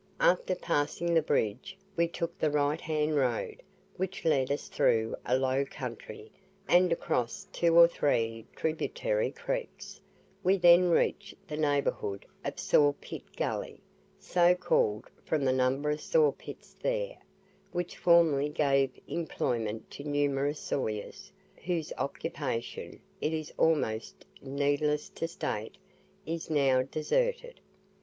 After passing the bridge, we took the right hand road, which led us through a low country, and across two or three tributary creeks; we then reached the neighbourhood of Saw pit Gully, so called from the number of saw pits there, which formerly gave employment to numerous sawyers, whose occupation it is almost needless to state is now deserted.